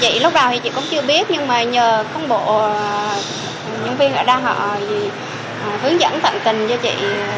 chị lúc nào thì chị cũng chưa biết nhưng mà nhờ công bộ nhân viên ở đa họ hướng dẫn tận tình cho chị